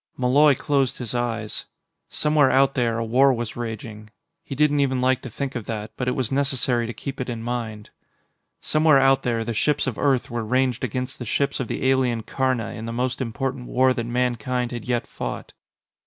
Malloy closed his eyes. Somewhere out there, a war was raging. He didn't even like to think of that, but it was necessary to keep it in mind. Somewhere out there, the ships of Earth were ranged against the ships of the alien Karna in the most important war that Mankind had yet fought.